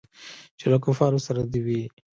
چې له کفارو سره دې وي.